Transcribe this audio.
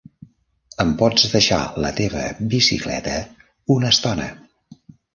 Em pots deixar la teva bicicleta una estona.